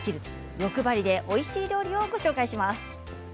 欲張りでおいしい料理をご紹介します。